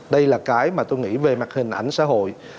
đây là cái mà tôi nghĩ về mặt hình ảnh xã hội